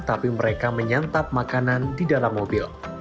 tapi mereka menyantap makanan di dalam mobil